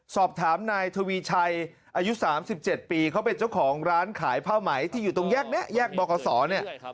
สอบถามนายทวีชัยอายุ๓๗ปีเขาเป็นเจ้าของร้านขายผ้าไหมที่อยู่ตรงแยกนี้แยกบขเนี่ย